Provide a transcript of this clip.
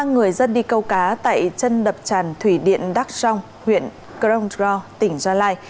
ba người dân đi câu cá tại chân đập tràn thủy điện đắc song huyện crong dro tỉnh gia lai